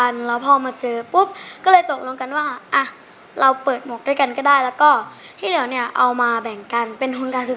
นมกล่องกินหรือยังลูก